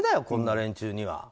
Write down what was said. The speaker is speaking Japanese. こんな連中は。